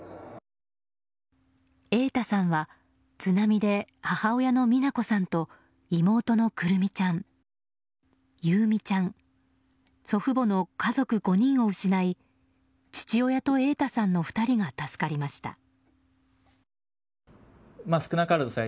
瑛太さんは津波で母親の美奈子さんと妹のくるみちゃん、祐未ちゃん祖父母の家族５人を失い父親と瑛太さんの２人が助かりました。